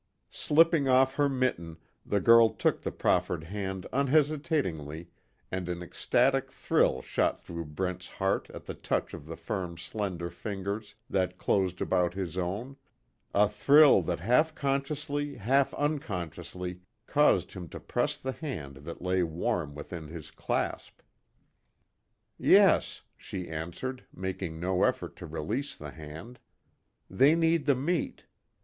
Slipping off her mitten, the girl took the proffered hand unhesitatingly and an ecstatic thrill shot through Brent's heart at the touch of the firm slender fingers that closed about his own a thrill that half consciously, half unconsciously, caused him to press the hand that lay warm within his clasp. "Yes," she answered, making no effort to release the hand, "They need the meat.